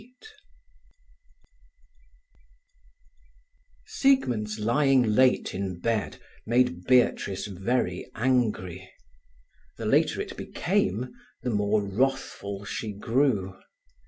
XXVIII Siegmund's lying late in bed made Beatrice very angry. The later it became, the more wrathful she grew.